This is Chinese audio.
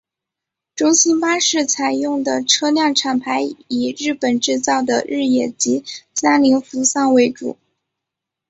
中兴巴士采用的车辆厂牌以日本制造的日野及三菱扶桑为主。